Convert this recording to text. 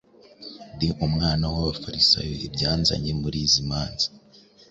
ndi umwana w’Abafarisayo; ibyanzanye muri izi manza,